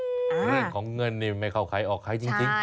งานของเงินนี่ไม่เข้าใครออกไฮ่จริง